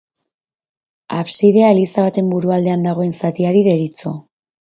Absidea eliza baten burualdean dagoen zatiari deritzo.